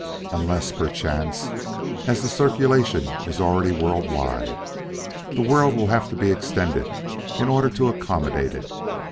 Unless, perchance, as the circulation is already "world wide," the world will have to be extended in order to accommodate it.